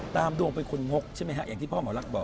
ดวงเป็นคนงกใช่ไหมฮะอย่างที่พ่อหมอรักบอก